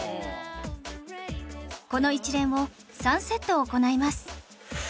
この一連を３セット行います